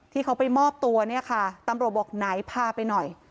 ที่เขาไปมอบตัวตำรวจบอกนายพาไปหน่อย